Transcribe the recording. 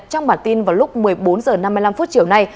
trong bản tin vào lúc một mươi bốn h năm mươi năm chiều nay